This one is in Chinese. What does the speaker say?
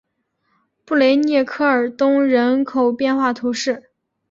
布雷涅科尔东人口变化图示